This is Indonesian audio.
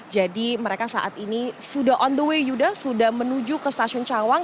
jadi mereka saat ini sudah on the way yuda sudah menuju ke stasiun cawang